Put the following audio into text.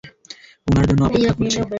উনার জন্য অপেক্ষা করছি।